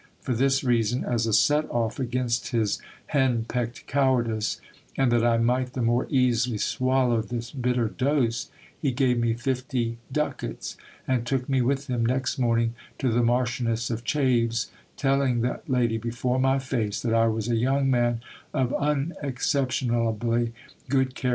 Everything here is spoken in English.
For this reason, as a set off against his hen pecked cowardice, and that I might the more easily swallow this bitter dose, he gave me fifty ducats, and took me with him next morning to the Marchioness of Chaves, telling that lady before my face, that I was a young man of unexceptionably good cha 152 GIL BLAS.